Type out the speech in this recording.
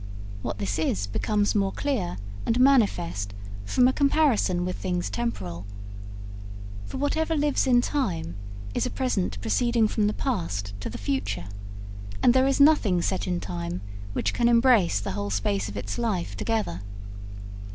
What this is becomes more clear and manifest from a comparison with things temporal. For whatever lives in time is a present proceeding from the past to the future, and there is nothing set in time which can embrace the whole space of its life together.